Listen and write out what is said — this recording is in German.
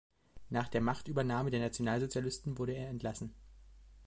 Nach der Machtübernahme der Nationalsozialisten wurde er entlassen.